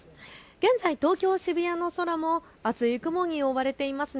現在、東京渋谷の空も厚い雲に覆われています。